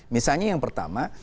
misalnya yang pertama